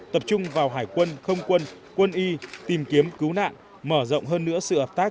tập trung vào hải quân không quân quân y tìm kiếm cứu nạn mở rộng hơn nữa sự hợp tác